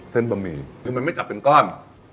บะหมี่คือมันไม่จับเป็นก้อน